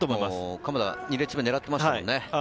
鎌田、２列目を狙っていましたもんね。